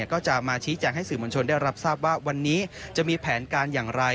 ก็จะมาชี้แจงให้สื่อมวลชนได้รับทราบว่าวันนี้จะมีแผนการอย่างไร